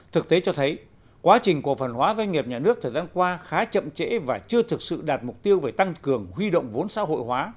thực tế cho thấy quá trình cổ phần hóa doanh nghiệp nhà nước thời gian qua khá chậm trễ và chưa thực sự đạt mục tiêu về tăng cường huy động vốn xã hội hóa